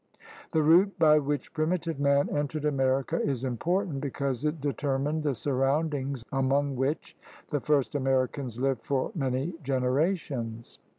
The route by which primitive man entered America is important because it determined the surroundings among which the first Americans lived for many generations.